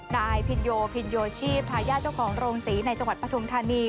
นายพินโยพินโยชีพทายาทเจ้าของโรงศรีในจังหวัดปฐุมธานี